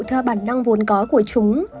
theo bản năng vốn có của chúng